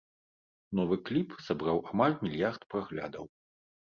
Новы кліп сабраў амаль мільярд праглядаў.